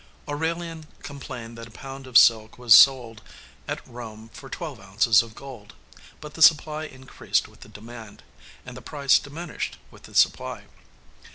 Aurelian complained that a pound of silk was sold at Rome for twelve ounces of gold; but the supply increased with the demand, and the price diminished with the supply.